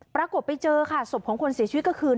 ปรากฏไปเจอค่ะศพของคนเสียชีวิตก็คือ